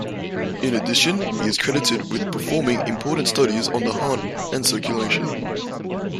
In addition, he is credited with performing important studies on the heart and circulation.